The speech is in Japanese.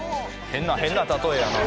「変な変な例えやな」